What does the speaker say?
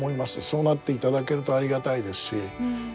そうなっていただけるとありがたいですし